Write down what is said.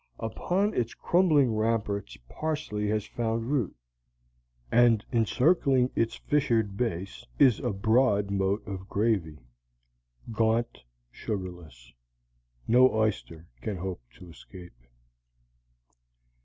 Upon its crumbling ramparts parsley has found root, and encircling its fissured base is a broad moat of gravy. Gaunt, sugarless; no oyster can hope to escape.